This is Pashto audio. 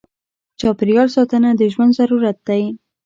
چاپېریال ساتنه د ژوند ضرورت دی.